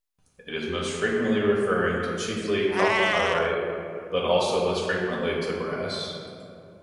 It is most frequently referring to chiefly chalcopyrite, but also less frequently to brass.